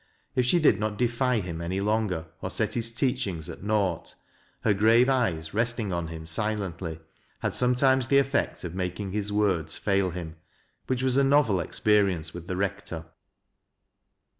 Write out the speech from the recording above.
If she did not defy him any longer or set liis teachings at naught, her grave eyes, resting on him silently, had sometimes the effect of making his words fail him ; which was a novel experience with the rector.